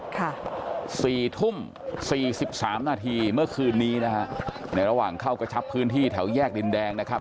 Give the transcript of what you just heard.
สี่ทุ่มสี่สิบสามนาทีเมื่อคืนนี้นะฮะในระหว่างเข้ากระชับพื้นที่แถวแยกดินแดงนะครับ